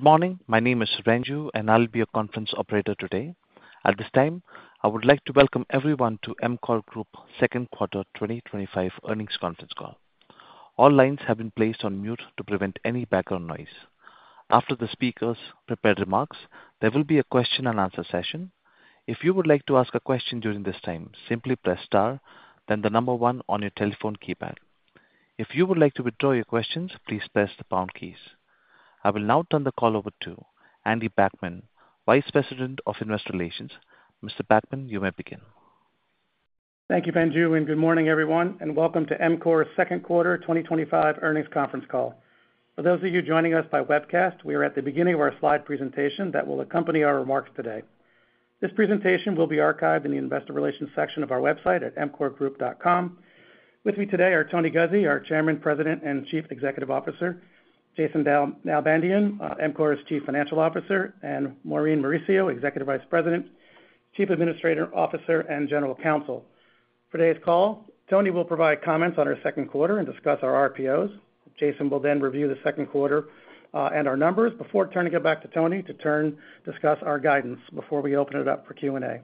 Good morning. My name is Ranju, and I'll be your conference operator today. At this time, I would like to welcome everyone to EMCOR Group Second Quarter 2025 Earnings Conference Call. All lines have been placed on mute to prevent any background noise. After the speakers prepare remarks, there will be a question-and-answer session. If you would like to ask a question during this time, simply press star, then the number one on your telephone keypad. If you would like to withdraw your questions, please press the pound keys. I will now turn the call over to Andy Backman, Vice President of Investor Relations. Mr. Backman, you may begin. Thank you, Ranju, and good morning, everyone, and welcome to EMCOR's second quarter 2025 earnings conference call. For those of you joining us by webcast, we are at the beginning of our slide presentation that will accompany our remarks today. This presentation will be archived in the Investor Relations section of our website at emcorgroup.com. With me today are Tony Guzzi, our Chairman, President, and Chief Executive Officer; Jason Nalbandian, EMCOR's Chief Financial Officer; and Maureen Mauricio, Executive Vice President, Chief Administrative Officer, and General Counsel. For today's call, Tony will provide comments on our second quarter and discuss our RPOs. Jason will then review the second quarter and our numbers before turning it back to Tony to discuss our guidance before we open it up for Q&A.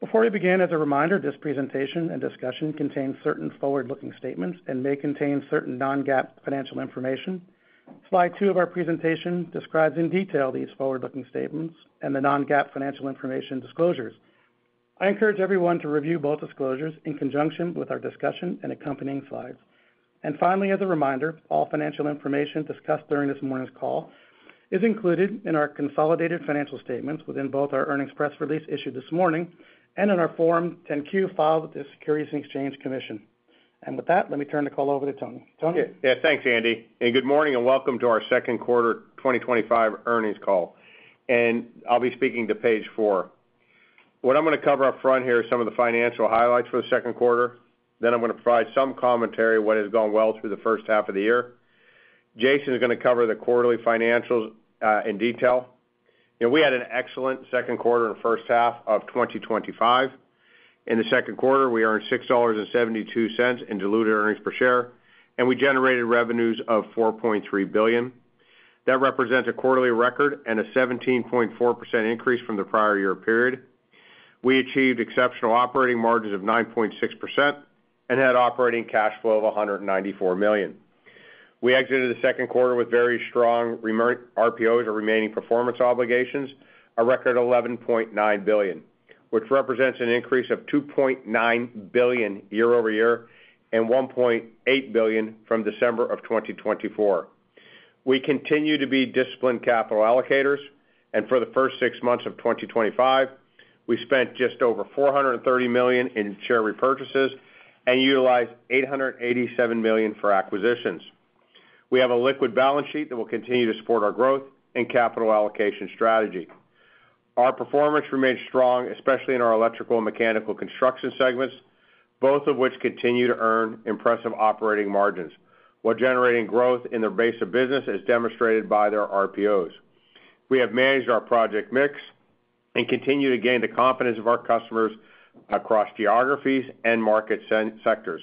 Before we begin, as a reminder, this presentation and discussion contain certain forward-looking statements and may contain certain non-GAAP financial information. Slide two of our presentation describes in detail these forward-looking statements and the non-GAAP financial information disclosures. I encourage everyone to review both disclosures in conjunction with our discussion and accompanying slides. Finally, as a reminder, all financial information discussed during this morning's call is included in our consolidated financial statements within both our earnings press release issued this morning and in our Form 10-Q filed with the Securities and Exchange Commission. With that, let me turn the call over to Tony. Tony. Yeah, thanks, Andy. Good morning, and welcome to our Second Quarter 2025 earnings call. I'll be speaking to page four. What I'm going to cover up front here are some of the financial highlights for the second quarter. I'm going to provide some commentary on what has gone well through the first half of the year. Jason is going to cover the quarterly financials in detail. We had an excellent second quarter and first half of 2025. In the second quarter, we earned $6.72 in diluted earnings per share, and we generated revenues of $4.3 billion. That represents a quarterly record and a 17.4% increase from the prior year period. We achieved exceptional operating margins of 9.6% and had operating cash flow of $194 million. We exited the second quarter with very strong remaining RPOs, remaining performance obligations, a record of $11.9 billion, which represents an increase of $2.9 billion year-over-year and $1.8 billion from December of 2024. We continue to be disciplined capital allocators, and for the first six months of 2025, we spent just over $430 million in share repurchases and utilized $887 million for acquisitions. We have a liquid balance sheet that will continue to support our growth and capital allocation strategy. Our performance remains strong, especially in our electrical and mechanical construction segments, both of which continue to earn impressive operating margins while generating growth in their base of business as demonstrated by their RPOs. We have managed our project mix and continue to gain the confidence of our customers across geographies and market sectors.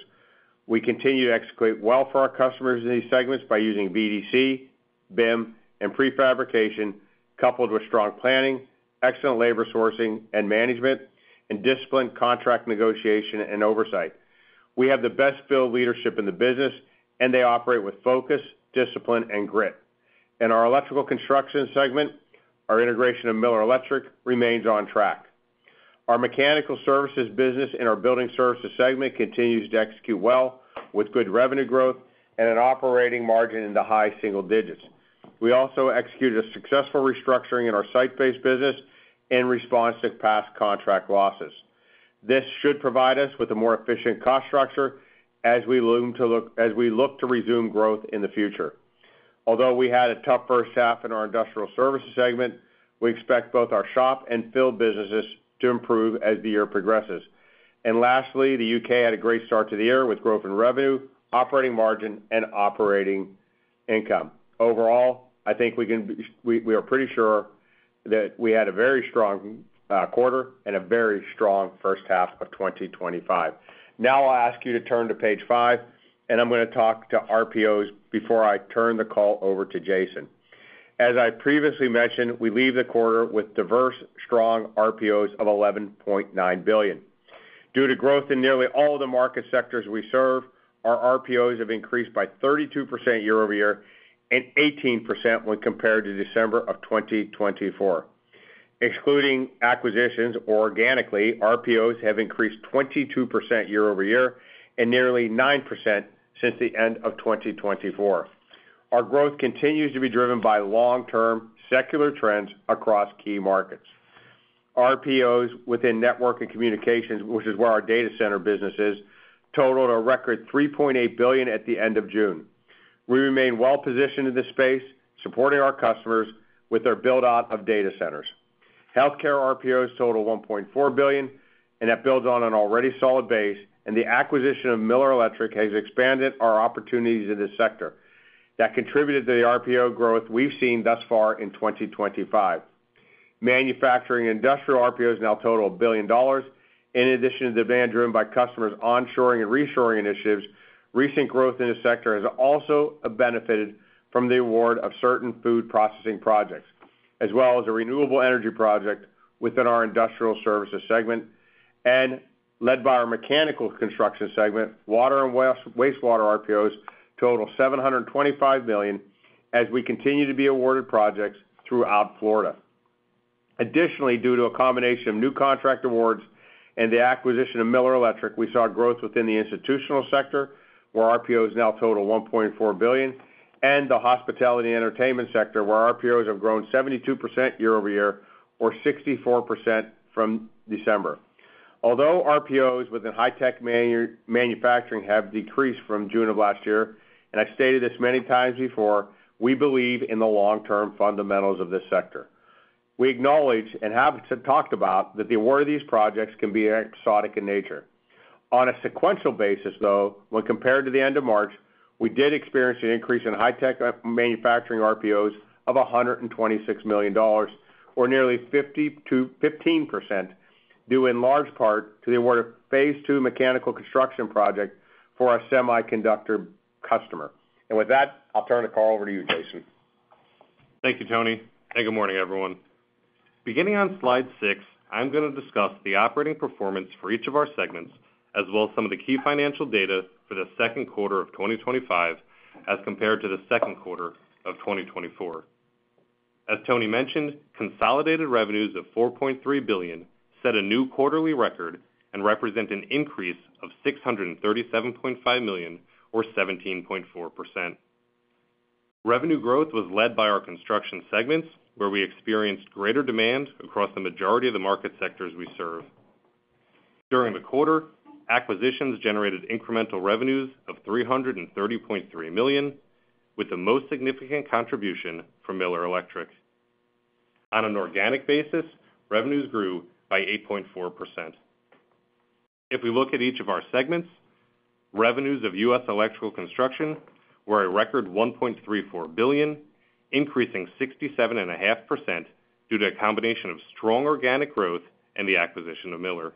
We continue to execute well for our customers in these segments by using VDC, BIM, and prefabrication, coupled with strong planning, excellent labor sourcing and management, and disciplined contract negotiation and oversight. We have the best-filled leadership in the business, and they operate with focus, discipline, and grit. In our electrical construction segment, our integration of Miller Electric remains on track. Our mechanical services business and our building services segment continues to execute well, with good revenue growth and an operating margin in the high single digits. We also executed a successful restructuring in our site-based business in response to past contract losses. This should provide us with a more efficient cost structure as we look to resume growth in the future. Although we had a tough first half in our industrial services segment, we expect both our shop and field businesses to improve as the year progresses. Lastly, the U.K. had a great start to the year with growth in revenue, operating margin, and operating income. Overall, I think we are pretty sure that we had a very strong quarter and a very strong first half of 2025. Now I'll ask you to turn to page five, and I'm going to talk to RPOs before I turn the call over to Jason. As I previously mentioned, we leave the quarter with diverse, strong RPOs of $11.9 billion. Due to growth in nearly all of the market sectors we serve, our RPOs have increased by 32% year-over-year and 18% when compared to December of 2024. Excluding acquisitions organically, RPOs have increased 22% year-over-year and nearly 9% since the end of 2024. Our growth continues to be driven by long-term secular trends across key markets. RPOs within network and communications, which is where our data center business is, totaled a record $3.8 billion at the end of June. We remain well-positioned in this space, supporting our customers with their build-out of data centers. Healthcare RPOs totaled $1.4 billion, and that builds on an already solid base, and the acquisition of Miller Electric has expanded our opportunities in this sector. That contributed to the RPO growth we've seen thus far in 2025. Manufacturing and industrial RPOs now total $1 billion. In addition to demand driven by customers' onshoring and reshoring initiatives, recent growth in the sector has also benefited from the award of certain food processing projects, as well as a renewable energy project within our industrial services segment. Led by our mechanical construction segment, water and wastewater RPOs totaled $725 million as we continue to be awarded projects throughout Florida. Additionally, due to a combination of new contract awards and the acquisition of Miller Electric, we saw growth within the institutional sector, where RPOs now total $1.4 billion, and the hospitality and entertainment sector, where RPOs have grown 72% year-over-year, or 64% from December. Although RPOs within high-tech manufacturing have decreased from June of last year, and I've stated this many times before, we believe in the long-term fundamentals of this sector. We acknowledge and have talked about that the award of these projects can be episodic in nature. On a sequential basis, though, when compared to the end of March, we did experience an increase in high-tech manufacturing RPOs of $126 million, or nearly 15%. This was due in large part to the award of phase two mechanical construction project for our semiconductor customer. With that, I'll turn the call over to you, Jason. Thank you, Tony. Good morning, everyone. Beginning on slide six, I'm going to discuss the operating performance for each of our segments, as well as some of the key financial data for the second quarter of 2025 as compared to the second quarter of 2024. As Tony mentioned, consolidated revenues of $4.3 billion set a new quarterly record and represent an increase of $637.5 million, or 17.4%. Revenue growth was led by our construction segments, where we experienced greater demand across the majority of the market sectors we serve. During the quarter, acquisitions generated incremental revenues of $330.3 million, with the most significant contribution from Miller Electric. On an organic basis, revenues grew by 8.4%. If we look at each of our segments, revenues of U.S. electrical construction were a record $1.34 billion, increasing 67.5% due to a combination of strong organic growth and the acquisition of Miller.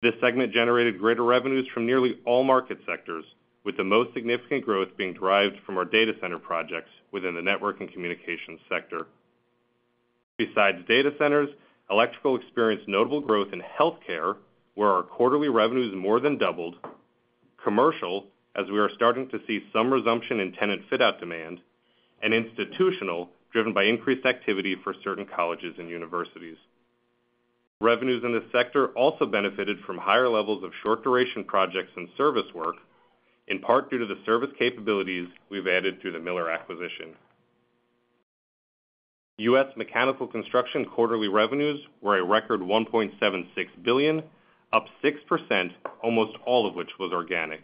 This segment generated greater revenues from nearly all market sectors, with the most significant growth being derived from our data center projects within the network and communications sector. Besides data centers, electrical experienced notable growth in healthcare, where our quarterly revenues more than doubled, commercial, as we are starting to see some resumption in tenant fit-out demand, and institutional, driven by increased activity for certain colleges and universities. Revenues in this sector also benefited from higher levels of short-duration projects and service work, in part due to the service capabilities we've added through the Miller acquisition. U.S. mechanical construction quarterly revenues were a record $1.76 billion, up 6%, almost all of which was organic.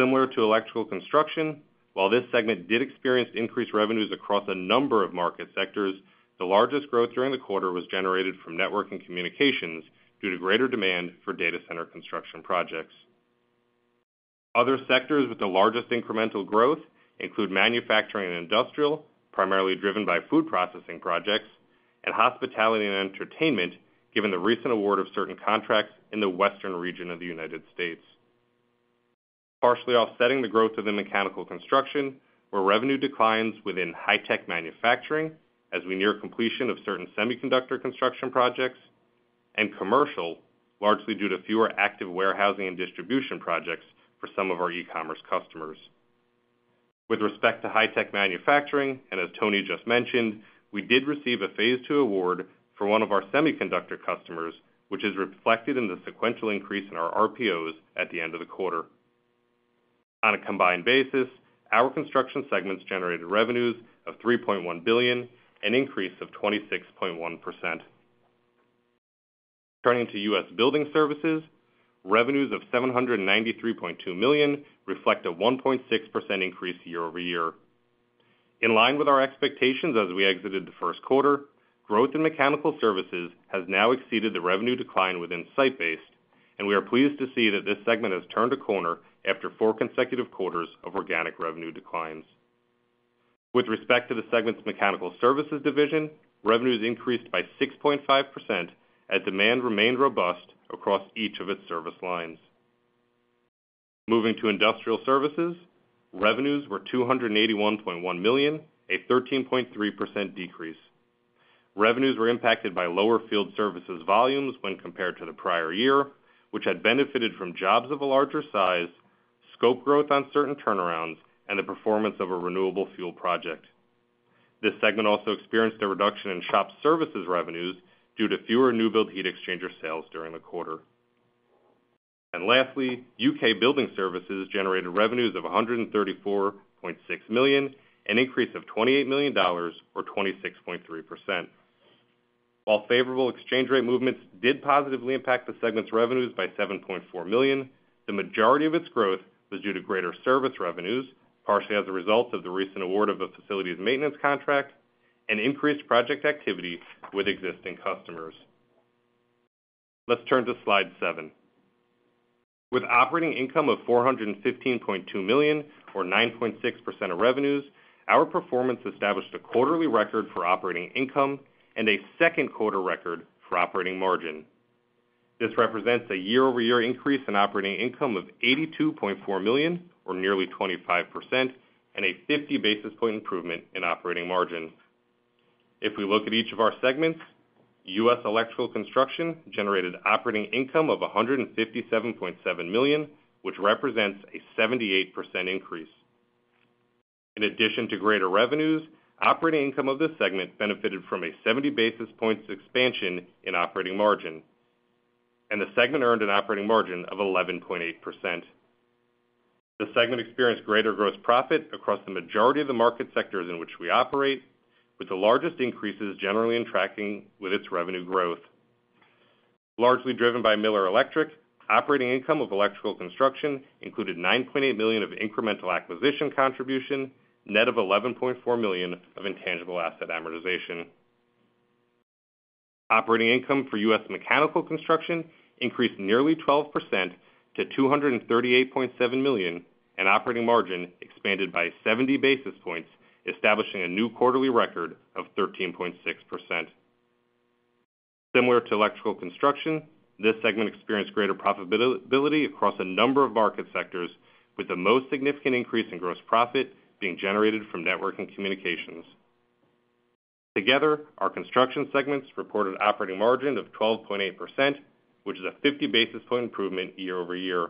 Similar to electrical construction, while this segment did experience increased revenues across a number of market sectors, the largest growth during the quarter was generated from network and communications due to greater demand for data center construction projects. Other sectors with the largest incremental growth include manufacturing and industrial, primarily driven by food processing projects, and hospitality and entertainment, given the recent award of certain contracts in the western region of the United States. Partially offsetting the growth of the mechanical construction, were revenue declines within high-tech manufacturing as we near completion of certain semiconductor construction projects, and commercial, largely due to fewer active warehousing and distribution projects for some of our e-commerce customers. With respect to high-tech manufacturing, and as Tony just mentioned, we did receive a phase two award for one of our semiconductor customers, which is reflected in the sequential increase in our RPOs at the end of the quarter. On a combined basis, our construction segments generated revenues of $3.1 billion, an increase of 26.1%. Turning to U.S. building services, revenues of $793.2 million reflect a 1.6% increase year-over-year. In line with our expectations as we exited the first quarter, growth in mechanical services has now exceeded the revenue decline within site-based, and we are pleased to see that this segment has turned a corner after four consecutive quarters of organic revenue declines. With respect to the segment's mechanical services division, revenues increased by 6.5% as demand remained robust across each of its service lines. Moving to industrial services, revenues were $281.1 million, a 13.3% decrease. Revenues were impacted by lower field services volumes when compared to the prior year, which had benefited from jobs of a larger size, scope growth on certain turnarounds, and the performance of a renewable fuel project. This segment also experienced a reduction in shop services revenues due to fewer new-build heat exchanger sales during the quarter. Lastly, U.K. building services generated revenues of $134.6 million, an increase of $28 million, or 26.3%. While favorable exchange rate movements did positively impact the segment's revenues by $7.4 million, the majority of its growth was due to greater service revenues, partially as a result of the recent award of a facilities maintenance contract, and increased project activity with existing customers. Let's turn to slide seven. With operating income of $415.2 million, or 9.6% of revenues, our performance established a quarterly record for operating income and a second quarter record for operating margin. This represents a year-over-year increase in operating income of $82.4 million, or nearly 25%, and a 50 basis point improvement in operating margin. If we look at each of our segments, U.S. electrical construction generated operating income of $157.7 million, which represents a 78% increase. In addition to greater revenues, operating income of this segment benefited from a 70 basis points expansion in operating margin, and the segment earned an operating margin of 11.8%. The segment experienced greater gross profit across the majority of the market sectors in which we operate, with the largest increases generally in tracking with its revenue growth. Largely driven by Miller Electric, operating income of electrical construction included $9.8 million of incremental acquisition contribution, net of $11.4 million of intangible asset amortization. Operating income for U.S. mechanical construction increased nearly 12% to $238.7 million, and operating margin expanded by 70 basis points, establishing a new quarterly record of 13.6%. Similar to electrical construction, this segment experienced greater profitability across a number of market sectors, with the most significant increase in gross profit being generated from network and communications. Together, our construction segments reported operating margin of 12.8%, which is a 50 basis point improvement year-over-year.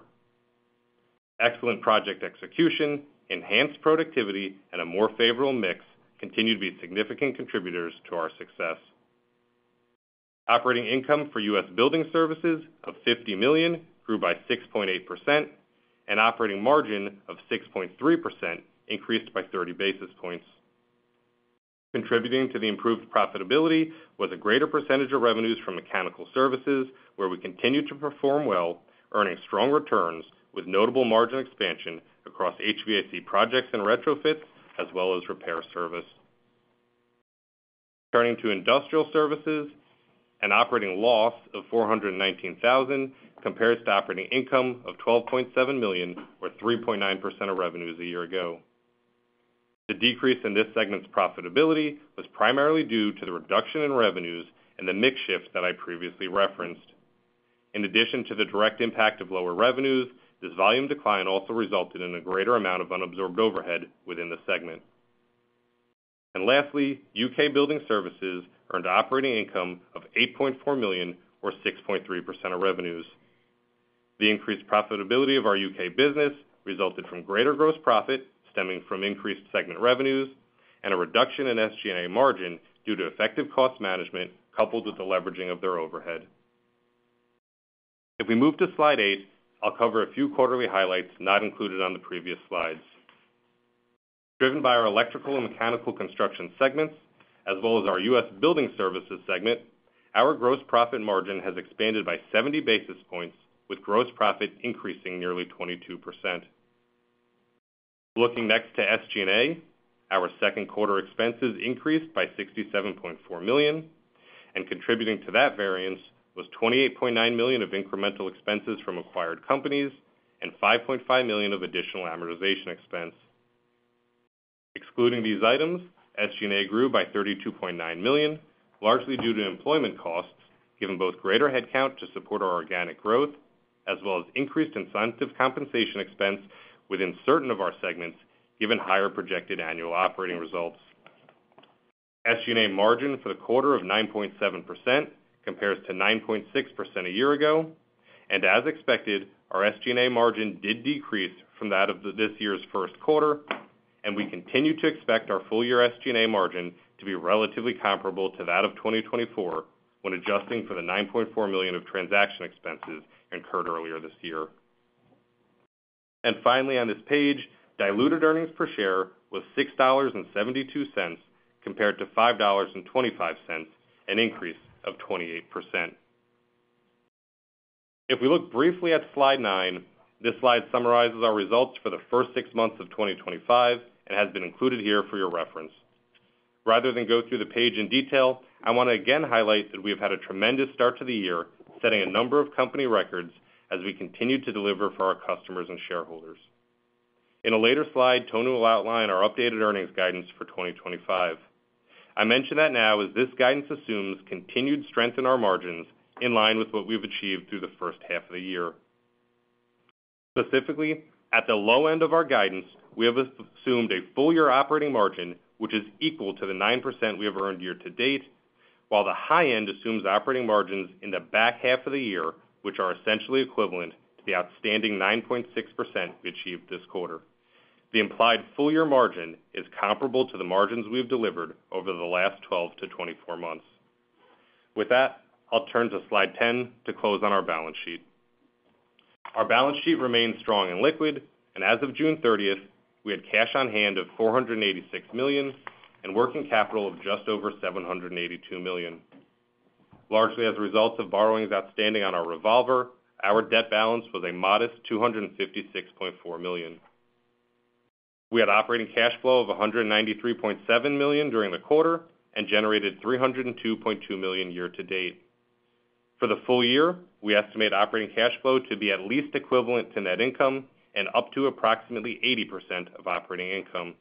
Excellent project execution, enhanced productivity, and a more favorable mix continue to be significant contributors to our success. Operating income for U.S. building services of $50 million grew by 6.8%, and operating margin of 6.3% increased by 30 basis points. Contributing to the improved profitability was a greater percentage of revenues from mechanical services, where we continue to perform well, earning strong returns with notable margin expansion across HVAC projects and retrofits, as well as repair service. Turning to industrial services, an operating loss of $419,000 compares to operating income of $12.7 million, or 3.9% of revenues a year ago. The decrease in this segment's profitability was primarily due to the reduction in revenues and the mix shift that I previously referenced. In addition to the direct impact of lower revenues, this volume decline also resulted in a greater amount of unabsorbed overhead within the segment. Lastly, U.K. building services earned operating income of $8.4 million, or 6.3% of revenues. The increased profitability of our U.K. business resulted from greater gross profit stemming from increased segment revenues and a reduction in SG&A margin due to effective cost management coupled with the leveraging of their overhead. If we move to slide eight, I'll cover a few quarterly highlights not included on the previous slides. Driven by our electrical and mechanical construction segments, as well as our U.S. building services segment, our gross profit margin has expanded by 70 basis points, with gross profit increasing nearly 22%. Looking next to SG&A, our second quarter expenses increased by $67.4 million, and contributing to that variance was $28.9 million of incremental expenses from acquired companies and $5.5 million of additional amortization expense. Excluding these items, SG&A grew by $32.9 million, largely due to employment costs, given both greater headcount to support our organic growth, as well as increased incentive compensation expense within certain of our segments, given higher projected annual operating results. SG&A margin for the quarter of 9.7% compares to 9.6% a year ago, and as expected, our SG&A margin did decrease from that of this year's first quarter. We continue to expect our full-year SG&A margin to be relatively comparable to that of 2024 when adjusting for the $9.4 million of transaction expenses incurred earlier this year. Finally, on this page, diluted earnings per share was $6.72 compared to $5.25, an increase of 28%. If we look briefly at slide nine, this slide summarizes our results for the first six months of 2025 and has been included here for your reference. Rather than go through the page in detail, I want to again highlight that we have had a tremendous start to the year, setting a number of company records as we continue to deliver for our customers and shareholders. In a later slide, Tony Guzzi will outline our updated earnings guidance for 2025. I mention that now as this guidance assumes continued strength in our margins in line with what we've achieved through the first half of the year. Specifically, at the low end of our guidance, we have assumed a full-year operating margin, which is equal to the 9% we have earned year to date, while the high end assumes operating margins in the back half of the year, which are essentially equivalent to the outstanding 9.6% we achieved this quarter. The implied full-year margin is comparable to the margins we've delivered over the last 12-24 months. With that, I'll turn to slide 10 to close on our balance sheet. Our balance sheet remains strong and liquid, and as of June 30, we had cash on hand of $486 million and working capital of just over $782 million. Largely as a result of borrowings outstanding on our revolver, our debt balance was a modest $256.4 million. We had operating cash flow of $193.7 million during the quarter and generated $302.2 million year to date. For the full year, we estimate operating cash flow to be at least equivalent to net income and up to approximately 80% of operating income.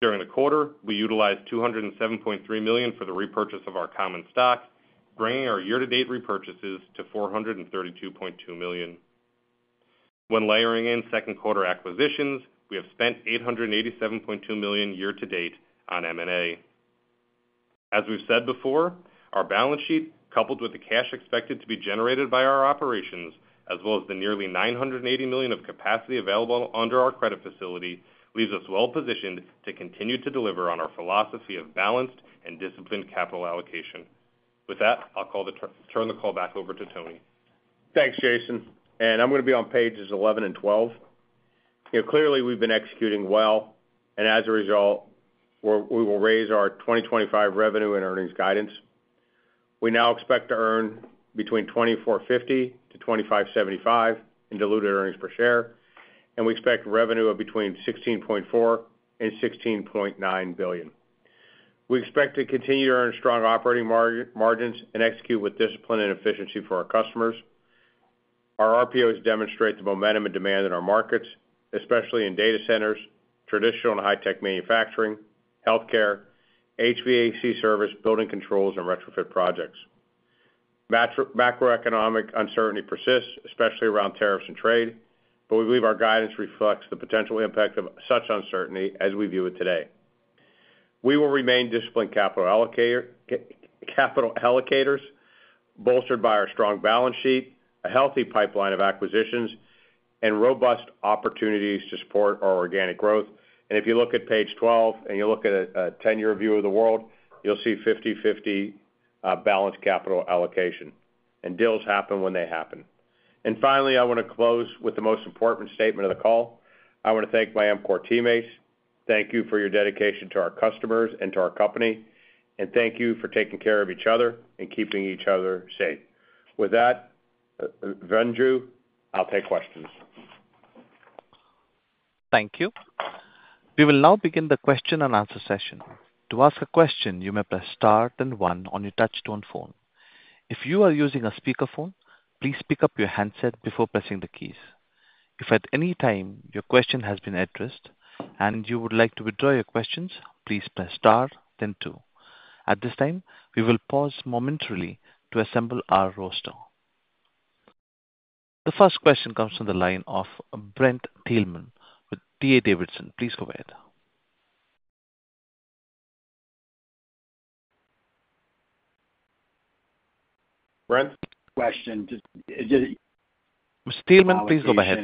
During the quarter, we utilized $207.3 million for the repurchase of our common stock, bringing our year-to-date repurchases to $432.2 million. When layering in second quarter acquisitions, we have spent $887.2 million year to date on M&A. As we've said before, our balance sheet, coupled with the cash expected to be generated by our operations, as well as the nearly $980 million of capacity available under our credit facility, leaves us well positioned to continue to deliver on our philosophy of balanced and disciplined capital allocation. With that, I'll turn the call back over to Tony. Thanks, Jason. I'm going to be on pages 11 and 12. Clearly, we've been executing well, and as a result, we will raise our 2025 revenue and earnings guidance. We now expect to earn between $24.50-$25.75 in diluted earnings per share, and we expect revenue of between $16.4 and $16.9 billion. We expect to continue to earn strong operating margins and execute with discipline and efficiency for our customers. Our RPOs demonstrate the momentum and demand in our markets, especially in data centers, traditional and high-tech manufacturing, healthcare, HVAC service, building controls, and retrofit projects. Macroeconomic uncertainty persists, especially around tariffs and trade, but we believe our guidance reflects the potential impact of such uncertainty as we view it today. We will remain disciplined capital allocators bolstered by our strong balance sheet, a healthy pipeline of acquisitions, and robust opportunities to support our organic growth. If you look at page 12 and you look at a 10-year view of the world, you'll see 50/50 balanced capital allocation, and deals happen when they happen. Finally, I want to close with the most important statement of the call. I want to thank my EMCOR teammates. Thank you for your dedication to our customers and to our company, and thank you for taking care of each other and keeping each other safe. With that, Andrew, I'll take questions. Thank you. We will now begin the question and answer session. To ask a question, you may press star then one on your touch-tone phone. If you are using a speakerphone, please pick up your handset before pressing the keys. If at any time your question has been addressed and you would like to withdraw your question, please press star then two. At this time, we will pause momentarily to assemble our roster. The first question comes from the line of Brent Thielman with D.A. Davidson. Please go ahead. Brent? Question. Mr. Thielman, please go ahead.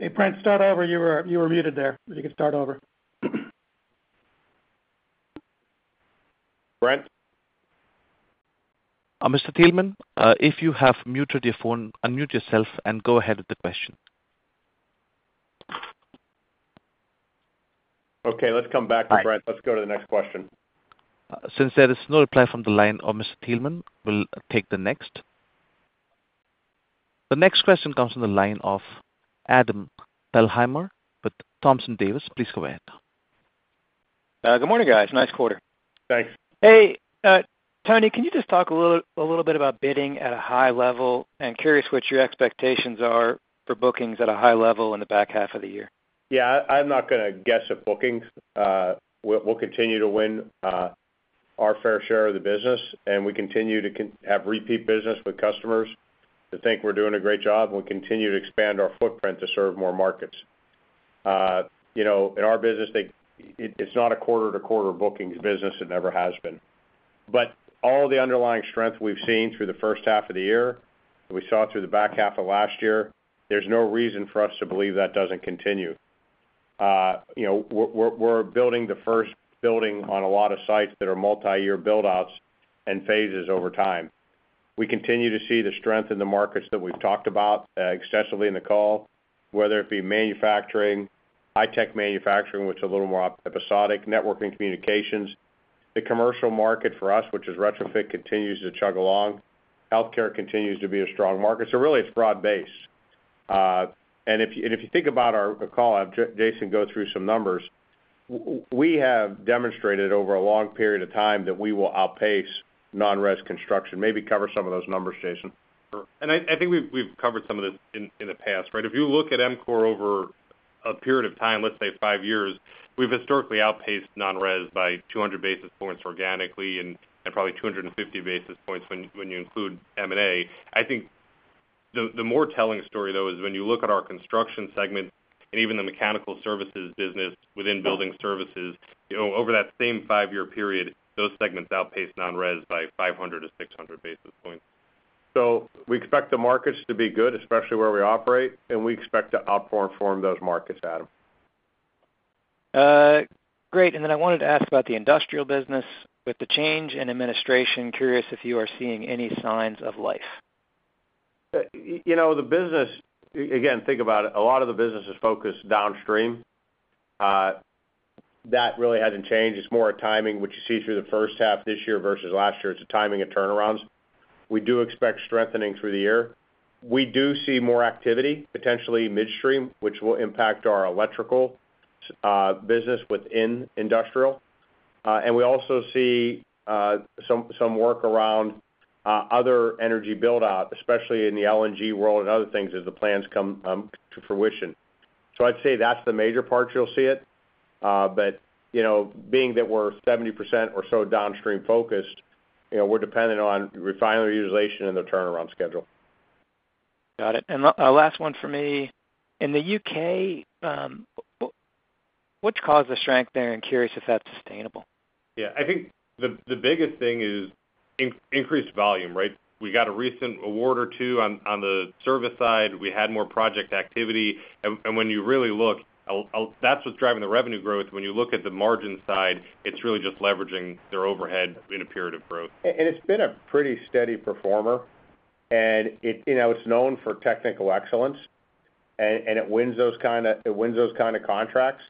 Hey, Brent, start over. You were muted there. You can start over. Brent? Mr. Thielman, if you have muted your phone, unmute yourself and go ahead with the question. Okay. Let's come back to Brent. Let's go to the next question. Since there is no reply from the line of Mr. Thielman, we'll take the next. The next question comes from the line of Adam Thalhimer with Thompson Davis. Please go ahead. Good morning, guys. Nice quarter. Thanks. Hey, Tony, can you just talk a little bit about bidding at a high level? I'm curious what your expectations are for bookings at a high level in the back half of the year. Yeah. I'm not going to guess at bookings. We'll continue to win our fair share of the business, and we continue to have repeat business with customers who think we're doing a great job, and we continue to expand our footprint to serve more markets. In our business, it's not a quarter-to-quarter bookings business. It never has been. All the underlying strength we've seen through the first half of the year that we saw through the back half of last year, there's no reason for us to believe that doesn't continue. We're building the first building on a lot of sites that are multi-year build-outs and phases over time. We continue to see the strength in the markets that we've talked about extensively in the call, whether it be manufacturing, high-tech manufacturing, which is a little more episodic, network and communications. The commercial market for us, which is retrofit, continues to chug along. Healthcare continues to be a strong market. It is really broad-based. If you think about our call, Jason will go through some numbers. We have demonstrated over a long period of time that we will outpace non-res construction. Maybe cover some of those numbers, Jason. I think we've covered some of this in the past, right? If you look at EMCOR over a period of time, let's say five years, we've historically outpaced non-res by 200 basis points organically and probably 250 basis points when you include M&A. I think the more telling story, though, is when you look at our construction segment and even the mechanical services business within building services, over that same five-year period, those segments outpaced non-res by 500-600 basis points. We expect the markets to be good, especially where we operate, and we expect to outperform those markets, Adam. Great. I wanted to ask about the industrial business with the change in administration. Curious if you are seeing any signs of life. The business, again, think about it. A lot of the business is focused downstream. That really hasn't changed. It's more a timing, which you see through the first half this year versus last year. It's a timing of turnarounds. We do expect strengthening through the year. We do see more activity, potentially midstream, which will impact our electrical business within industrial. We also see some work around other energy build-out, especially in the LNG world and other things as the plans come to fruition. I'd say that's the major part you'll see it. Being that we're 70% or so downstream focused, we're dependent on refinery utilization and the turnaround schedule. Got it. Last one for me. In the U.K., which caused the strength there? Curious if that's sustainable. Yeah. I think the biggest thing is increased volume, right? We got a recent award or two on the service side. We had more project activity. When you really look, that's what's driving the revenue growth. When you look at the margin side, it's really just leveraging their overhead in a period of growth. It's been a pretty steady performer, and it's known for technical excellence. It wins those kind of contracts.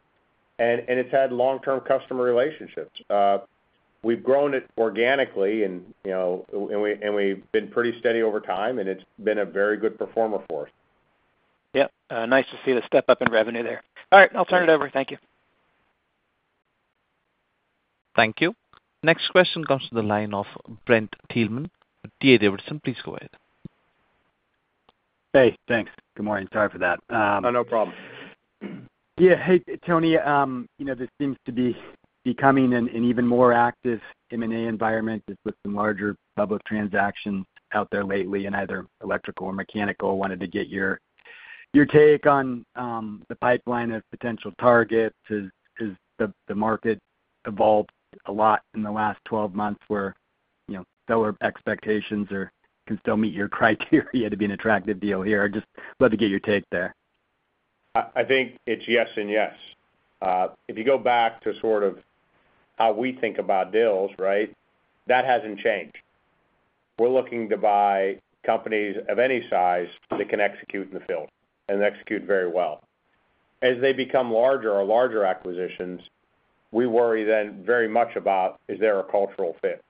It's had long-term customer relationships. We've grown it organically, and we've been pretty steady over time, and it's been a very good performer for us. Yep. Nice to see the step-up in revenue there. All right. I'll turn it over. Thank you. Thank you. Next question comes from the line of Brent Thielman, D.A. Davidson. Please go ahead. Hey. Thanks. Good morning. Sorry for that. No problem. Yeah. Hey, Tony. This seems to be becoming an even more active M&A environment with some larger public transactions out there lately in either electrical or mechanical. Wanted to get your take on the pipeline of potential targets. Has the market evolved a lot in the last 12 months where seller expectations can still meet your criteria to be an attractive deal here? I'd just love to get your take there. I think it's yes and yes. If you go back to sort of how we think about deals, right, that hasn't changed. We're looking to buy companies of any size that can execute in the field and execute very well. As they become larger or larger acquisitions, we worry then very much about, is there a cultural fit?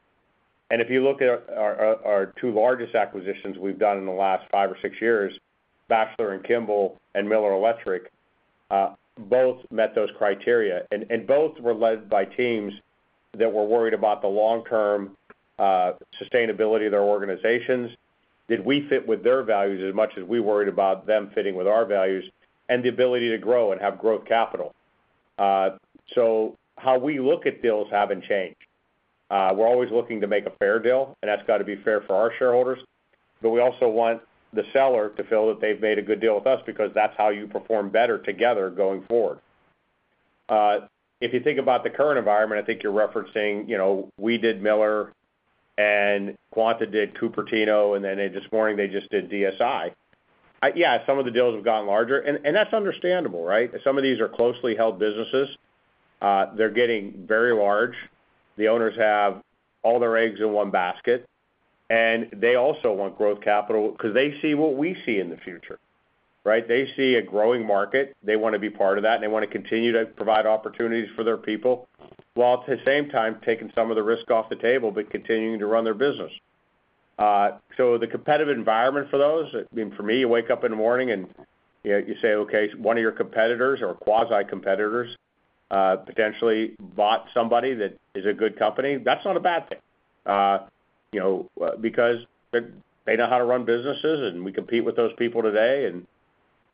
If you look at our two largest acquisitions we've done in the last five or six years, Batchelor and Kimball and Miller Electric, both met those criteria, and both were led by teams that were worried about the long-term sustainability of their organizations. Did we fit with their values as much as we worried about them fitting with our values and the ability to grow and have growth capital? How we look at deals hasn't changed. We're always looking to make a fair deal, and that's got to be fair for our shareholders. We also want the seller to feel that they've made a good deal with us because that's how you perform better together going forward. If you think about the current environment, I think you're referencing we did Miller, and Quanta did Cupertino, and then this morning they just did DSI. Some of the deals have gotten larger, and that's understandable, right? Some of these are closely held businesses. They're getting very large. The owners have all their eggs in one basket. They also want growth capital because they see what we see in the future, right? They see a growing market. They want to be part of that, and they want to continue to provide opportunities for their people while at the same time taking some of the risk off the table but continuing to run their business. The competitive environment for those, I mean, for me, you wake up in the morning and you say, "Okay, one of your competitors or quasi-competitors potentially bought somebody that is a good company." That's not a bad thing because they know how to run businesses, and we compete with those people today, and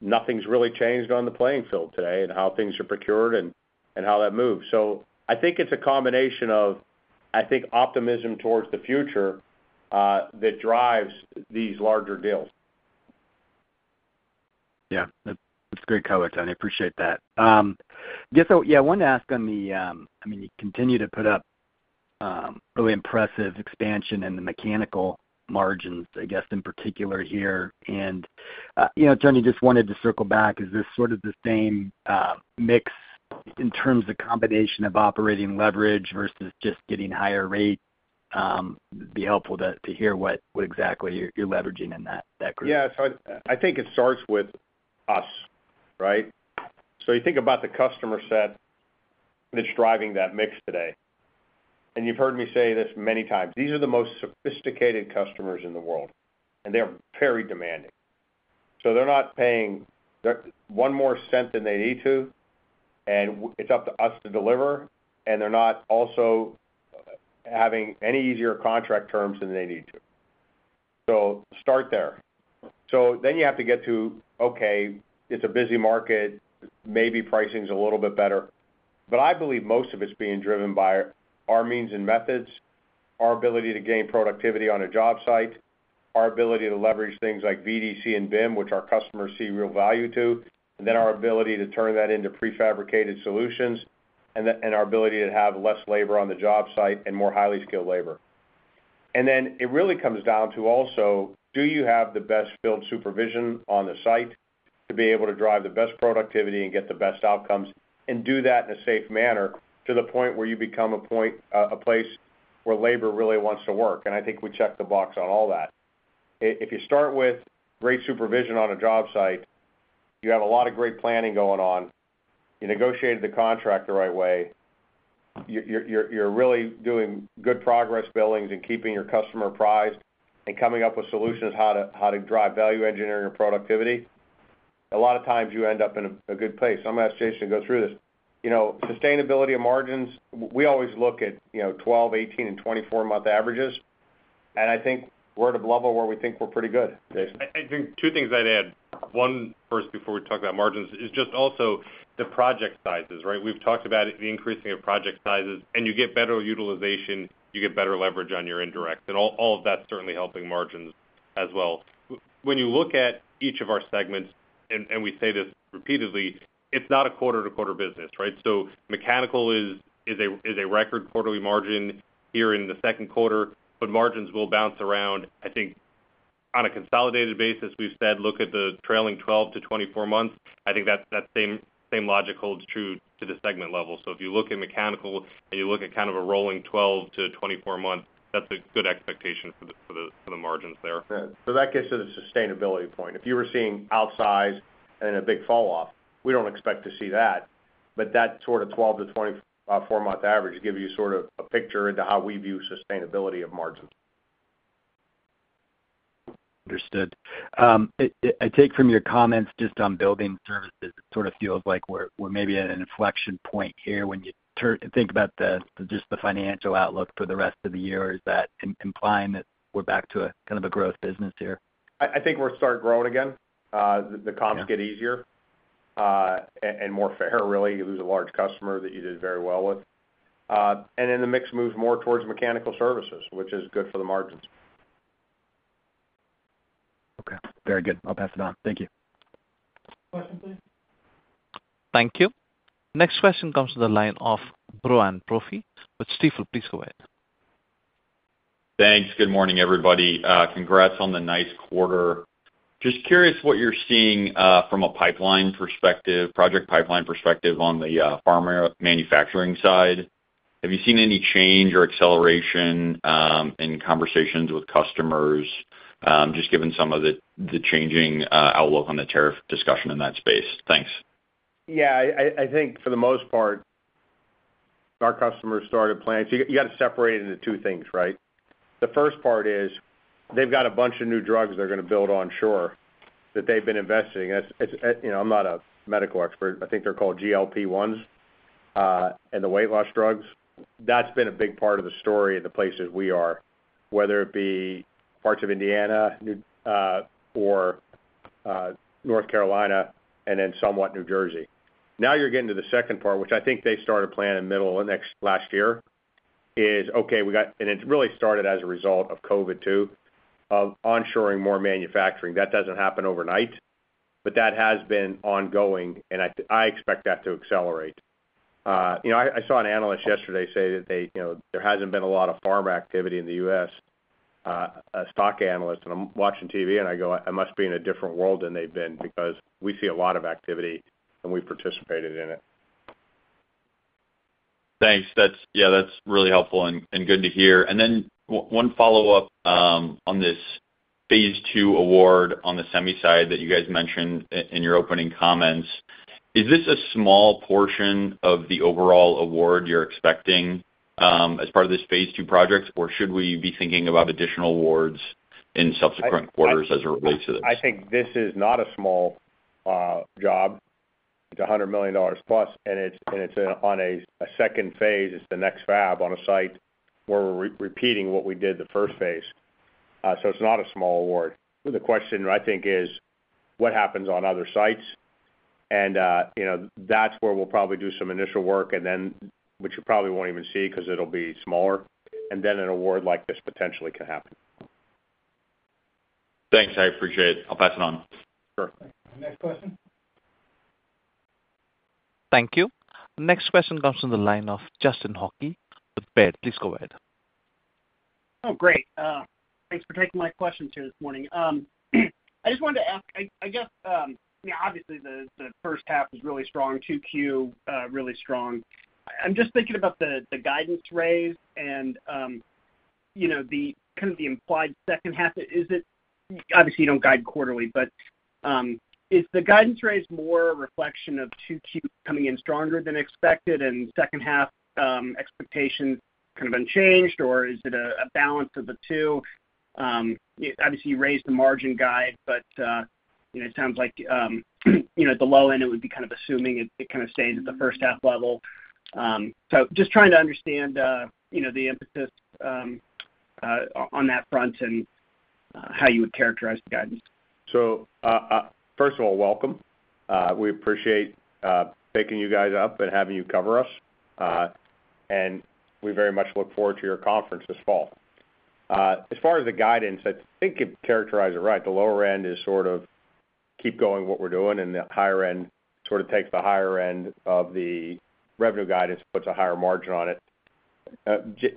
nothing's really changed on the playing field today in how things are procured and how that moves. I think it's a combination of optimism towards the future that drives these larger deals. That's great coverage, Tony. I appreciate that. I wanted to ask on the, I mean, you continue to put up really impressive expansion in the mechanical margins, I guess, in particular here. Tony, just wanted to circle back. Is this sort of the same mix in terms of combination of operating leverage versus just getting higher rate? It'd be helpful to hear what exactly you're leveraging in that group. I think it starts with us, right? You think about the customer set that's driving that mix today. You've heard me say this many times. These are the most sophisticated customers in the world, and they're very demanding. They're not paying one more cent than they need to, and it's up to us to deliver. They're not also having any easier contract terms than they need to, so start there. You have to get to, okay, it's a busy market. Maybe pricing's a little bit better. I believe most of it's being driven by our means and methods, our ability to gain productivity on a job site, our ability to leverage things like VDC and BIM, which our customers see real value to, and then our ability to turn that into prefabricated solutions, and our ability to have less labor on the job site and more highly skilled labor. It really comes down to also, do you have the best field supervision on the site to be able to drive the best productivity and get the best outcomes and do that in a safe manner to the point where you become a place where labor really wants to work? I think we check the box on all that. If you start with great supervision on a job site, you have a lot of great planning going on. You negotiated the contract the right way. You're really doing good progress billings and keeping your customer apprised and coming up with solutions how to drive value engineering or productivity. A lot of times, you end up in a good place. I'm going to ask Jason to go through this. Sustainability of margins, we always look at 12, 18, and 24-month averages. I think we're at a level where we think we're pretty good, Jason. I think two things I'd add. One, first, before we talk about margins, is just also the project sizes, right? We've talked about the increasing of project sizes, and you get better utilization, you get better leverage on your indirects. All of that's certainly helping margins as well. When you look at each of our segments, and we say this repeatedly, it's not a quarter-to-quarter business, right? Mechanical is a record quarterly margin here in the second quarter, but margins will bounce around. I think on a consolidated basis, we've said, "Look at the trailing 12 to 24 months." I think that same logic holds true to the segment level. If you look at mechanical and you look at kind of a rolling 12 to 24 months, that's a good expectation for the margins there. That gets to the sustainability point. If you were seeing outsize and a big falloff, we don't expect to see that. That sort of 12 to 24-month average gives you a picture into how we view sustainability of margins. Understood. I take from your comments just on building services, it sort of feels like we're maybe at an inflection point here when you think about just the financial outlook for the rest of the year. Is that implying that we're back to kind of a growth business here? I think we're starting to grow again. The comps get easier and more fair, really. You lose a large customer that you did very well with, and then the mix moves more towards mechanical services, which is good for the margins. Okay. Very good. I'll pass it on. Thank you. Question, please. Thank you. Next question comes from the line of Brian Brophy. Please go ahead. Thanks. Good morning, everybody. Congrats on the nice quarter. Just curious what you're seeing from a project pipeline perspective on the pharma manufacturing side. Have you seen any change or acceleration in conversations with customers, just given some of the changing outlook on the tariff discussion in that space? Thanks. Yeah. I think for the most part, our customers started planning. You have to separate it into two things, right? The first part is they've got a bunch of new drugs they're going to build onshore that they've been investing in. I'm not a medical expert. I think they're called GLP-1s and the weight loss drugs. That's been a big part of the story of the places we are, whether it be parts of Indiana, North Carolina, and then somewhat New Jersey. Now you're getting to the second part, which I think they started planning in the middle of last year, is, okay, we got—and it really started as a result of COVID too—of onshoring more manufacturing. That doesn't happen overnight, but that has been ongoing, and I expect that to accelerate. I saw an analyst yesterday say that there hasn't been a lot of farm activity in the U.S., a stock analyst. I'm watching TV, and I go, "I must be in a different world than they've been because we see a lot of activity, and we've participated in it." Thanks. Yeah, that's really helpful and good to hear. One follow-up on this Phase 2 award on the semi side that you guys mentioned in your opening comments. Is this a small portion of the overall award you're expecting as part of this Phase 2 project, or should we be thinking about additional awards in subsequent quarters as it relates to this? I think this is not a small job. It's $100+ million, and it's on a second phase. It's the next fab on a site where we're repeating what we did the first phase. It's not a small award. The question, I think, is what happens on other sites. That's where we'll probably do some initial work, which you probably won't even see because it'll be smaller. An award like this potentially can happen. Thanks. I appreciate it. I'll pass it on. Sure. Next question. Thank you. Next question comes from the line of Justin Hauke. Baird, please go ahead. Oh, great. Thanks for taking my questions here this morning. I just wanted to ask, I guess, obviously, the first half was really strong. 2Q, really strong. I'm just thinking about the guidance raise and kind of the implied second half. Obviously, you don't guide quarterly, but is the guidance raise more a reflection of 2Q coming in stronger than expected and second-half expectations kind of unchanged, or is it a balance of the two? Obviously, you raised the margin guide, but it sounds like at the low end, it would be kind of assuming it kind of stays at the first-half level. Just trying to understand the emphasis on that front and how you would characterize the guidance. First of all, welcome. We appreciate picking you guys up and having you cover us. We very much look forward to your conference this fall. As far as the guidance, I think you've characterized it right. The lower end is sort of keep going what we're doing, and the higher end sort of takes the higher end of the revenue guidance, puts a higher margin on it.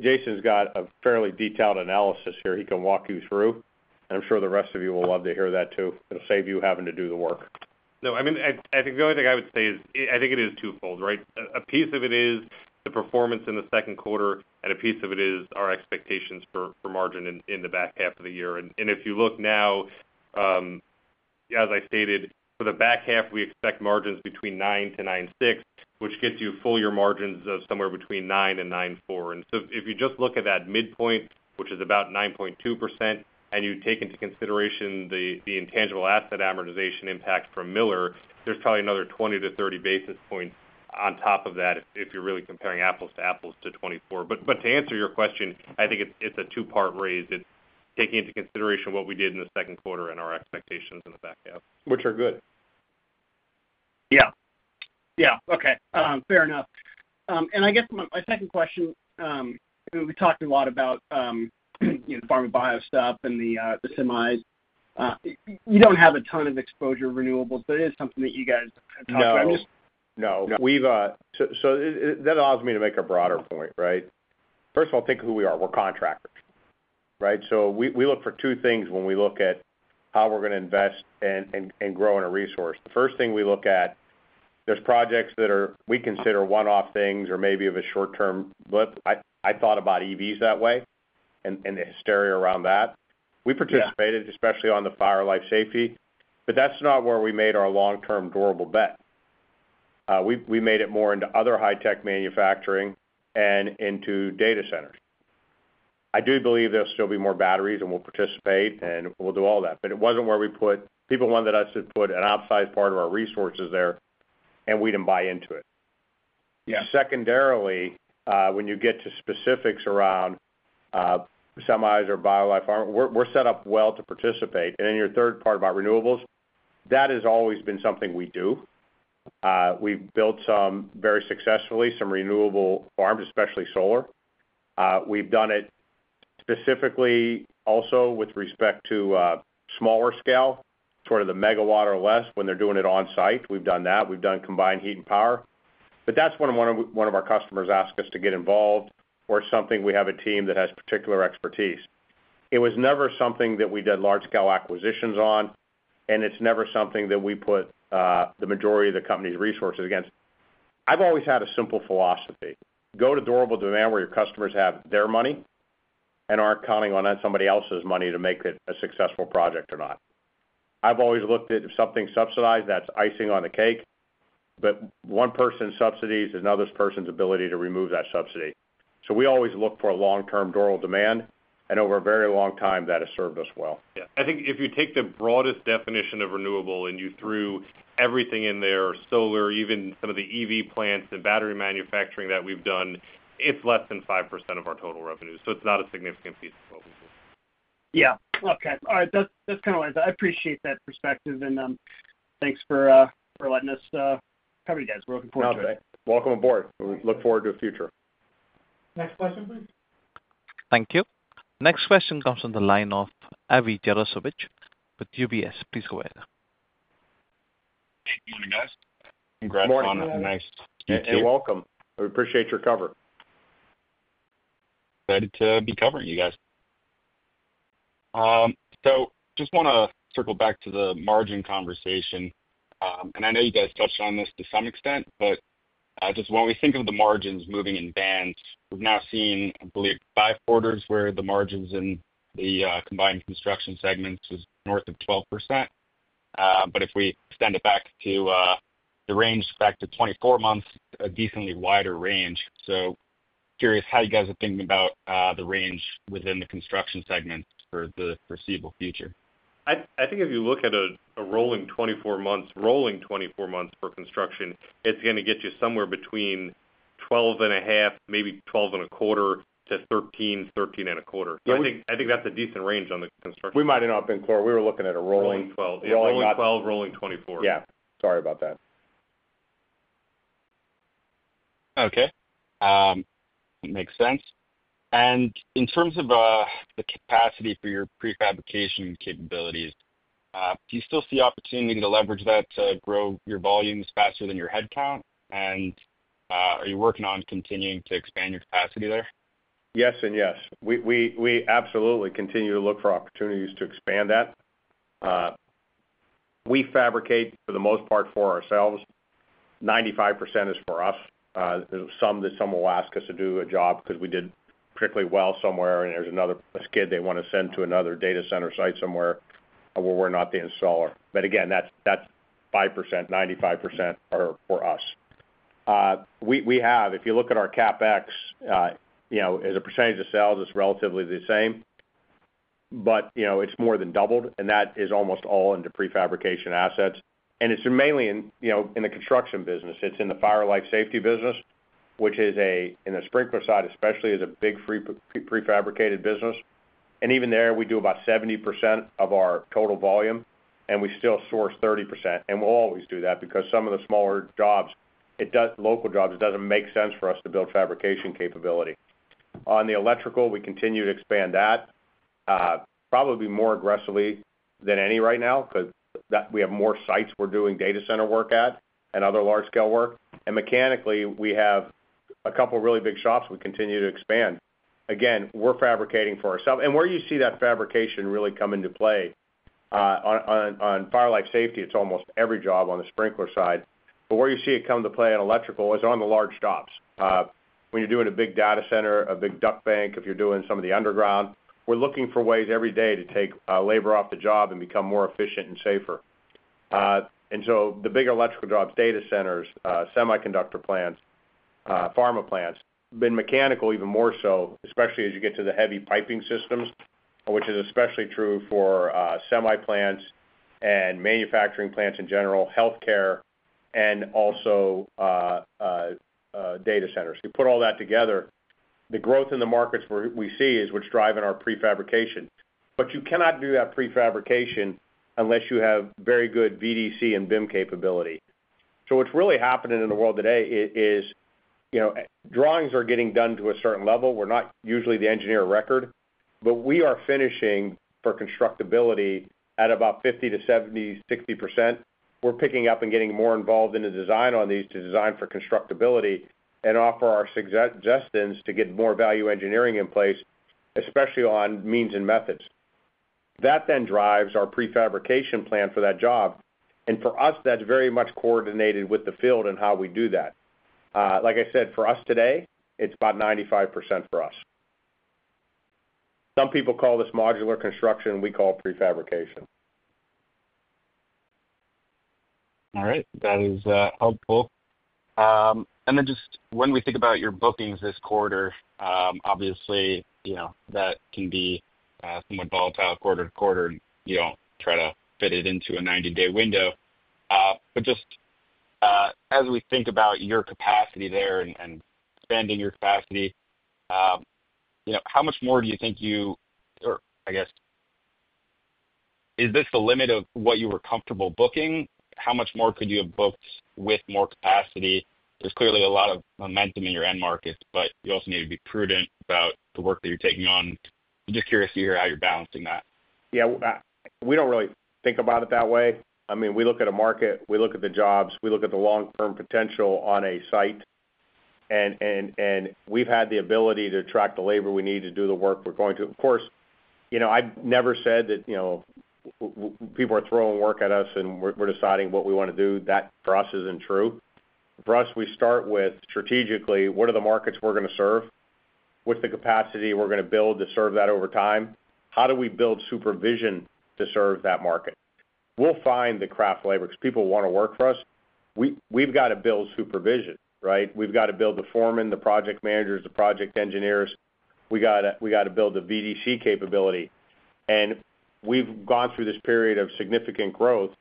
Jason's got a fairly detailed analysis here. He can walk you through, and I'm sure the rest of you will love to hear that too. It'll save you having to do the work. I think the only thing I would say is I think it is twofold, right? A piece of it is the performance in the second quarter, and a piece of it is our expectations for margin in the back half of the year. If you look now, as I stated, for the back half, we expect margins between 9%-9.6%, which gets you full year margins of somewhere between 9% and 9.4%. If you just look at that midpoint, which is about 9.2%, and you take into consideration the intangible asset amortization impact from Miller, there's probably another 20-30 basis points on top of that if you're really comparing apples to apples to 2024. To answer your question, I think it's a two-part raise. It's taking into consideration what we did in the second quarter and our expectations in the back half. Which are good. Yeah. Okay. Fair enough. I guess my second question. We talked a lot about the pharma bio stuff and the semis. You don't have a ton of exposure to renewables, but it is something that you guys talk about. No. We've—so that allows me to make a broader point, right? First of all, think of who we are. We're contractors, right? We look for two things when we look at how we're going to invest and grow in a resource. The first thing we look at, there's projects that we consider one-off things or maybe a short-term blip. I thought about EVs that way and the hysteria around that. We participated, especially on the fire life safety, but that's not where we made our long-term durable bet. We made it more into other high-tech manufacturing and into data centers. I do believe there'll still be more batteries, and we'll participate, and we'll do all that. It wasn't where we put—people wanted us to put an outsized part of our resources there, and we didn't buy into it. Secondarily, when you get to specifics around semis or bio life pharma, we're set up well to participate. In your third part about renewables, that has always been something we do. We've built some very successfully, some renewable farms, especially solar. We've done it specifically also with respect to smaller scale, sort of the megawatt or less when they're doing it on-site. We've done that. We've done combined heat and power. That's when one of our customers asks us to get involved or something we have a team that has particular expertise. It was never something that we did large-scale acquisitions on, and it's never something that we put the majority of the company's resources against. I've always had a simple philosophy: go to durable demand where your customers have their money and aren't counting on somebody else's money to make it a successful project or not. I've always looked at something subsidized as icing on the cake, but one person's subsidies is another person's ability to remove that subsidy. We always look for long-term durable demand, and over a very long time, that has served us well. I think if you take the broadest definition of renewable and you threw everything in there, solar, even some of the EV plants and battery manufacturing that we've done, it's less than 5% of our total revenue. It's not a significant piece of what we do. That's kind of what I thought. I appreciate that perspective. Thanks for letting us cover you guys. We're looking forward to it. Welcome aboard. We look forward to the future. Next question, please. Thank you. Next question comes from the line of Avi Jaroslawicz with UBS. Please go ahead. Good morning, guys. Congrats on a nice 2Q. You're welcome. We appreciate your cover. Glad to be covering you guys. I just want to circle back to the margin conversation. I know you guys touched on this to some extent, but just when we think of the margins moving in bands, we've now seen, I believe, five quarters where the margins in the combined construction segments was north of 12%. If we extend the range back to 24 months, a decently wider range. Curious how you guys are thinking about the range within the construction segment for the foreseeable future. I think if you look at a rolling 24 months, rolling 24 months for construction, it's going to get you somewhere between 12.5%, maybe 12.25%-13%, 13.25%. I think that's a decent range on the construction. We might have not been clear. We were looking at a rolling 12, rolling 12, rolling 24. Sorry about that. Okay. Makes sense. In terms of the capacity for your prefabrication capabilities, do you still see opportunity to leverage that to grow your volumes faster than your headcount? Are you working on continuing to expand your capacity there? Yes and yes. We absolutely continue to look for opportunities to expand that. We fabricate, for the most part, for ourselves. 95% is for us. Some will ask us to do a job because we did particularly well somewhere, and there's another skid they want to send to another data center site somewhere where we're not the installer. Again, that's 5%, 95% are for us. If you look at our CapEx as a percentage of sales, it's relatively the same, but it's more than doubled, and that is almost all into prefabrication assets. It's mainly in the construction business. It's in the fire life safety business, which is in the sprinkler side especially, a big prefabricated business. Even there, we do about 70% of our total volume, and we still source 30%. We'll always do that because some of the smaller jobs, local jobs, it doesn't make sense for us to build fabrication capability. On the electrical, we continue to expand that, probably more aggressively than any right now because we have more sites we're doing data center work at and other large-scale work. Mechanically, we have a couple of really big shops we continue to expand. Again, we're fabricating for ourselves. Where you see that fabrication really come into play on fire life safety, it's almost every job on the sprinkler side. Where you see it come to play in electrical is on the large jobs. When you're doing a big data center, a big duct bank, if you're doing some of the underground, we're looking for ways every day to take labor off the job and become more efficient and safer. The bigger electrical jobs, data centers, semiconductor plants, pharma plants, have been mechanical even more so, especially as you get to the heavy piping systems, which is especially true for semi plants and manufacturing plants in general, healthcare, and also data centers. You put all that together, the growth in the markets we see is what's driving our prefabrication. You cannot do that prefabrication unless you have very good VDC and BIM capability. What's really happening in the world today is drawings are getting done to a certain level. We're not usually the engineer of record, but we are finishing for constructability at about 50%-70%, 60%. We're picking up and getting more involved in the design on these to design for constructability and offer our suggestions to get more value engineering in place, especially on means and methods. That then drives our prefabrication plan for that job. For us, that's very much coordinated with the field and how we do that. Like I said, for us today, it's about 95% for us. Some people call this modular construction. We call it prefabrication. That is helpful. When we think about your bookings this quarter, obviously, that can be somewhat volatile quarter to quarter, and you don't try to fit it into a 90-day window. As we think about your capacity there and expanding your capacity, how much more do you think you—or is this the limit of what you were comfortable booking? How much more could you have booked with more capacity? There's clearly a lot of momentum in your end market, but you also need to be prudent about the work that you're taking on. I'm just curious to hear how you're balancing that. Yeah. We don't really think about it that way. We look at a market. We look at the jobs. We look at the long-term potential on a site. We've had the ability to attract the labor we need to do the work we're going to. Of course, I've never said that people are throwing work at us, and we're deciding what we want to do. That for us isn't true. For us, we start with strategically, what are the markets we're going to serve? What's the capacity we're going to build to serve that over time? How do we build supervision to serve that market? We'll find the craft labor because people want to work for us. We've got to build supervision, right? We've got to build the foreman, the project managers, the project engineers. We've got to build the VDC capability. We've gone through this period of significant growth,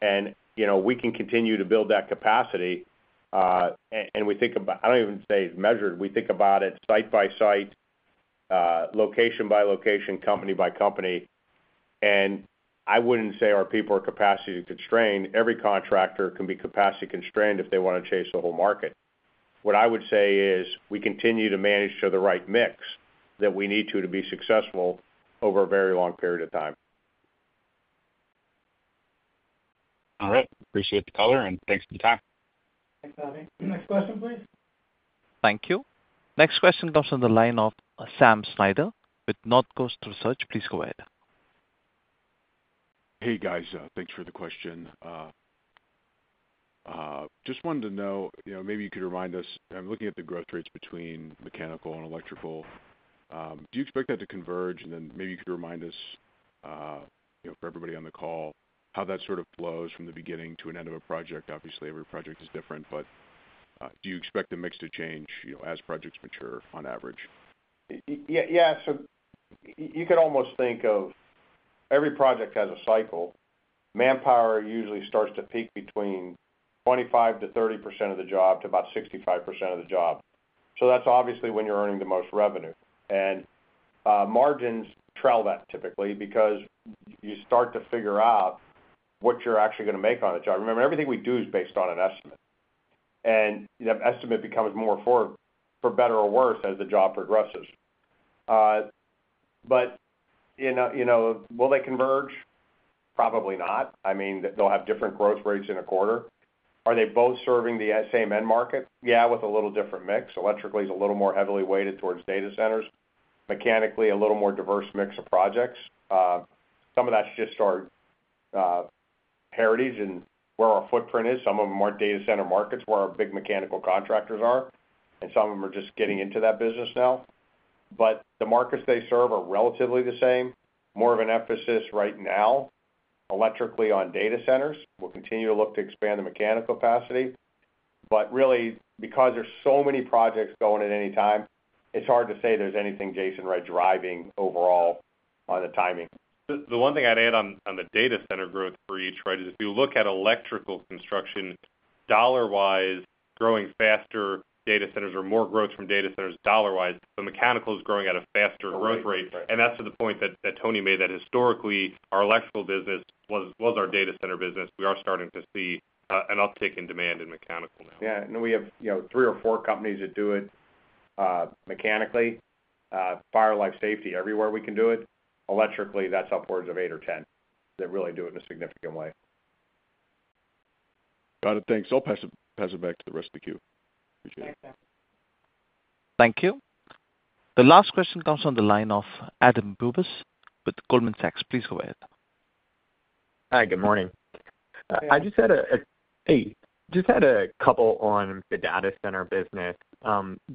and we can continue to build that capacity. We think about it site by site, location by location, company by company. I wouldn't say our people are capacity constrained. Every contractor can be capacity constrained if they want to chase the whole market. What I would say is we continue to manage to the right mix that we need to be successful over a very long period of time. Appreciate the color, and thanks for the time. Thanks, Abby. Next question, please. Thank you. Next question comes from the line of Sam Snyder with Northcoast Research. Please go ahead. Hey, guys. Thanks for the question. Just wanted to know, maybe you could remind us—I'm looking at the growth rates between mechanical and electrical. Do you expect that to converge? Maybe you could remind us, for everybody on the call, how that sort of flows from the beginning to an end of a project. Obviously, every project is different, but do you expect the mix to change as projects mature on average? Yeah. You could almost think of every project as having a cycle. Manpower usually starts to peak between 25%-30% of the job to about 65% of the job. That's obviously when you're earning the most revenue. Margins trail that typically because you start to figure out what you're actually going to make on the job. Remember, everything we do is based on an estimate, and that estimate becomes more, for better or worse, as the job progresses. Will they converge? Probably not. I mean, they'll have different growth rates in a quarter. Are they both serving the same end market? Yeah, with a little different mix. Electrically is a little more heavily weighted towards data centers. Mechanically, a little more diverse mix of projects. Some of that's just our heritage and where our footprint is. Some of them aren't data center markets where our big mechanical contractors are, and some of them are just getting into that business now. The markets they serve are relatively the same. More of an emphasis right now electrically on data centers. We'll continue to look to expand the mechanical capacity. Really, because there's so many projects going at any time, it's hard to say there's anything really driving overall on the timing. The one thing I'd add on the data center growth for each, right, is if you look at electrical construction, dollar-wise, growing faster data centers or more growth from data centers dollar-wise, the mechanical is growing at a faster growth rate. That's to the point that Tony made that historically, our electrical business was our data center business. We are starting to see an uptick in demand in mechanical now. Yeah. We have three or four companies that do it mechanically. Fire life safety, everywhere we can do it. Electrically, that's upwards of 8 or 10 that really do it in a significant way. Got it. Thanks. I'll pass it back to the rest of the queue. Appreciate it. Thank you. The last question comes from the line of Adam Bubes with Goldman Sachs. Please go ahead. Hi. Good morning. I just had a—Hey. Just had a couple on the data center business.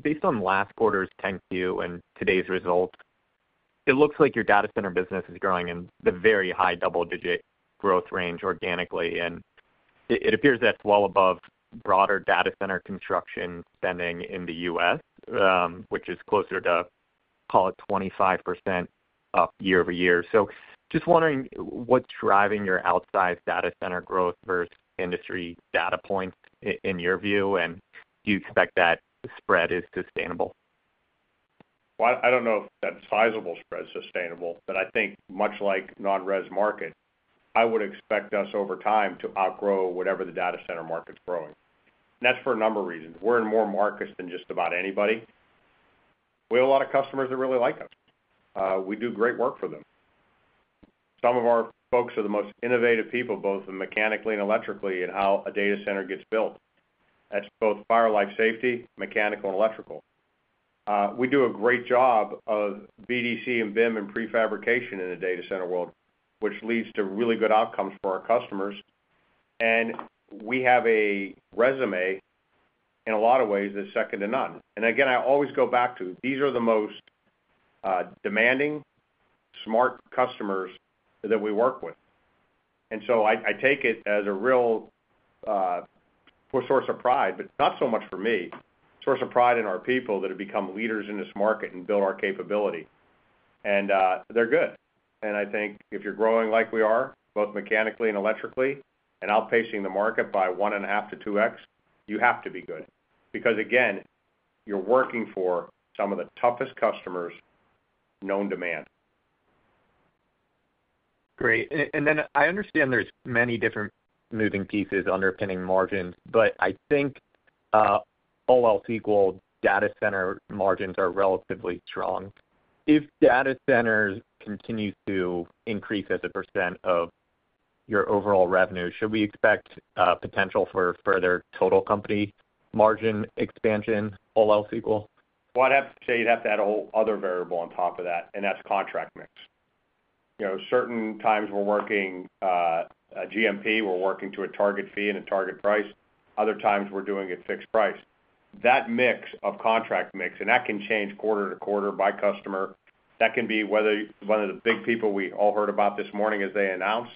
Based on last quarter's 10Q and today's results, it looks like your data center business is growing in the very high double-digit growth range organically. It appears that's well above broader data center construction spending in the U.S., which is closer to, call it, 25% up year-over-year. I'm just wondering what's driving your outsized data center growth versus industry data points in your view, and do you expect that spread is sustainable? I don't know if that sizable spread is sustainable, but I think much like non-res market, I would expect us over time to outgrow whatever the data center market's growing. That's for a number of reasons. We're in more markets than just about anybody. We have a lot of customers that really like us. We do great work for them. Some of our folks are the most innovative people, both mechanically and electrically, in how a data center gets built. That's both fire life safety, mechanical, and electrical. We do a great job of VDC and BIM and prefabrication in the data center world, which leads to really good outcomes for our customers. We have a resume in a lot of ways that's second to none. I always go back to these are the most demanding, smart customers that we work with. I take it as a real source of pride, but not so much for me, a source of pride in our people that have become leaders in this market and built our capability. They're good. I think if you're growing like we are, both mechanically and electrically, and outpacing the market by 1.5x-2x, you have to be good because you're working for some of the toughest customers known to man. Great. I understand there's many different moving pieces underpinning margins, but I think all else equal, data center margins are relatively strong. If data centers continue to increase as a percent of your overall revenue, should we expect potential for further total company margin expansion, all else equal? I'd have to say you'd have to add a whole other variable on top of that, and that's contract mix. Certain times we're working a GMP, we're working to a target fee and a target price. Other times we're doing at fixed price. That mix of contract mix, and that can change quarter to quarter by customer. That can be whether one of the big people we all heard about this morning as they announced,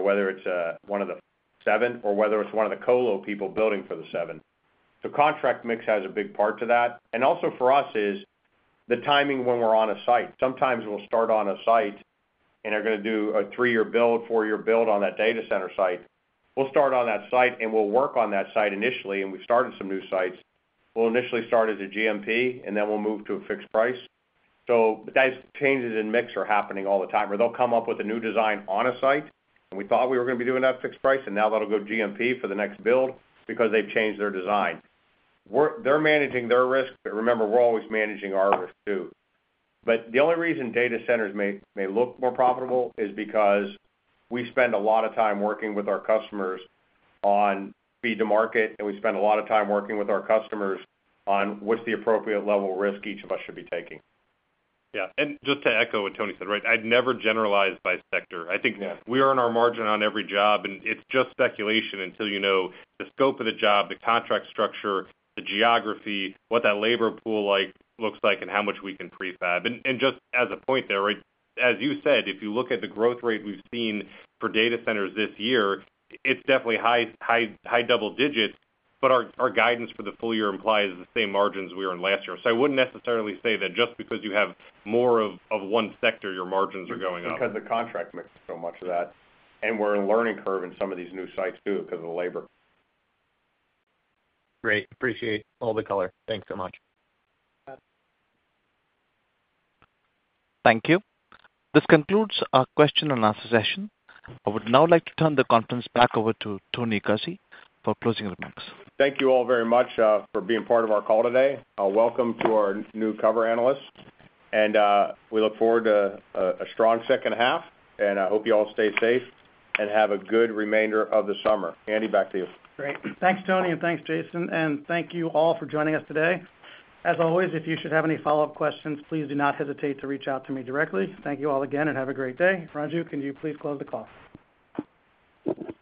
whether it's one of the seven or whether it's one of the colo people building for the seven. The contract mix has a big part to that. Also for us is the timing when we're on a site. Sometimes we'll start on a site and they're going to do a three-year build, four-year build on that data center site. We'll start on that site and we'll work on that site initially. We've started some new sites. We'll initially start as a GMP, and then we'll move to a fixed price. Those changes in mix are happening all the time. They'll come up with a new design on a site, and we thought we were going to be doing that fixed price, and now they'll go GMP for the next build because they've changed their design. They're managing their risk, but remember, we're always managing our risk too. The only reason data centers may look more profitable is because we spend a lot of time working with our customers on feed to market, and we spend a lot of time working with our customers on what's the appropriate level of risk each of us should be taking. Yeah. Just to echo what Tony Guzzi said, I'd never generalize by sector. I think we earn our margin on every job, and it's just speculation until you know the scope of the job, the contract structure, the geography, what that labor pool looks like, and how much we can prefab. Just as a point there, as you said, if you look at the growth rate we've seen for data centers this year, it's definitely high double digits, but our guidance for the full year implies the same margins we earned last year. I wouldn't necessarily say that just because you have more of one sector, your margins are going up. It's because the contract mix is so much of that. We're in a learning curve in some of these new sites too because of the labor. Great. Appreciate all the color. Thanks so much. Thank you. This concludes our question and answer session. I would now like to turn the conference back over to Tony Guzzi for closing remarks. Thank you all very much for being part of our call today. Welcome to our new cover analysts. We look forward to a strong second half. I hope you all stay safe and have a good remainder of the summer. Andy, back to you. Great. Thanks, Tony. Thanks, Jason. Thank you all for joining us today. As always, if you should have any follow-up questions, please do not hesitate to reach out to me directly. Thank you all again and have a great day. Raju, can you please close the call?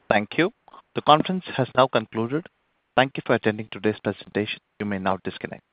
Thank you. The conference has now concluded. Thank you for attending today's presentation. You may now disconnect.